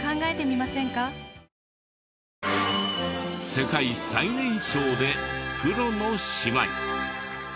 世界最年少でプロの姉妹。